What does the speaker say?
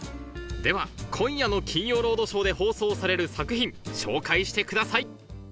では今夜の『金曜ロードショー』で放送される作品紹介してください